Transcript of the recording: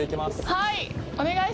はい。